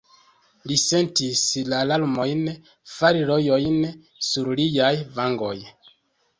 Li sentis la larmojn fari rojojn sur liaj vangoj.